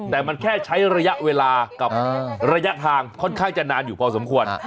แต่มันแค่ใช้ระยะเวลากับระยะทางค่อนข้างจะนานอยู่พอสมควร